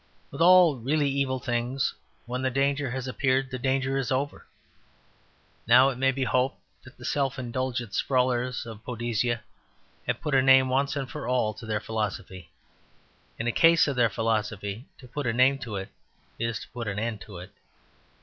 With all really evil things, when the danger has appeared the danger is over. Now it may be hoped that the self indulgent sprawlers of Poesia have put a name once and for all to their philosophy. In the case of their philosophy, to put a name to it is to put an end to it.